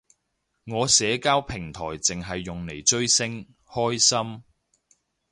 我社交平台剩係用嚟追星，開心